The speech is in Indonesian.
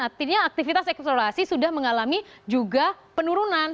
artinya aktivitas eksplorasi sudah mengalami juga penurunan